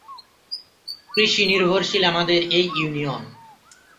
কৃষি নির্ভরশীল আমাদের এই ইউনিয়ন।